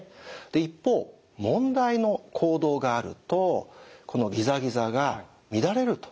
一方問題の行動があるとこのギザギザが乱れるということが。